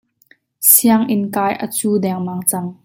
Sianginn kai a cu dengmang cang.